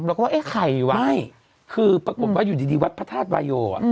เราก็ว่าเอ๊ะใครวะไม่คือปรากฏว่าอยู่ดีวัดพระธาตุบาโย